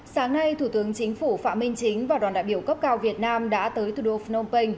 sáng nay thủ tướng chính phủ phạm minh chính và đoàn đại biểu cấp cao việt nam đã tới thủ đô phnom penh